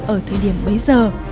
ở thời điểm bấy giờ